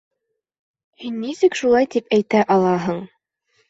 Һин нисек шулай тип әйтә алаһың?